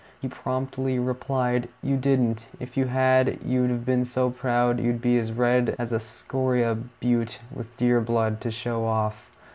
He promptly replied, "You didn't; if you had, you'd have been so proud you'd be as red as a scoria butte with deer blood, to show off.